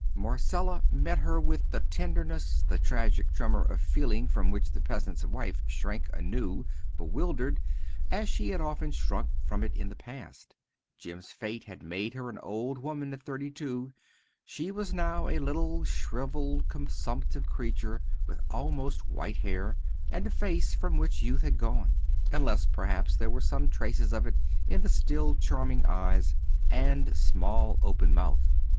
Marcella met her with the tenderness, the tragic tremor of feeling from which the peasant's wife shrank anew, bewildered, as she had often shrunk from it in the past. Jim's fate had made her an old woman at thirty two. She was now a little shrivelled consumptive creature with almost white hair, and a face from which youth had gone, unless perhaps there were some traces of it in the still charming eyes, and small open mouth.